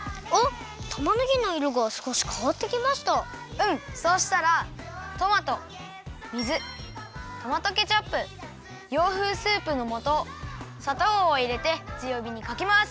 うんそうしたらトマト水トマトケチャップ洋風スープのもとさとうをいれてつよびにかけます。